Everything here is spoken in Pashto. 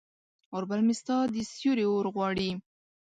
اوربل مې ستا د سیوري اورغواړي